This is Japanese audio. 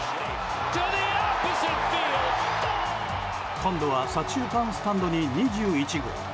今度は左中間スタンドに２１号。